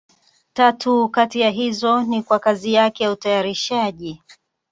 Tatu kati ya hizo ni kwa kazi yake ya utayarishaji.